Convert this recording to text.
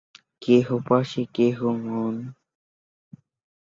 তিনি এই পদে অধিষ্ঠিত প্রথম মহিলা।